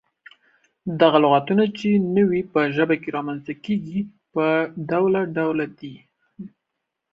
دغه لغتونه چې نوي په ژبه کې رامنځته کيږي، پۀ دوله ډوله دي: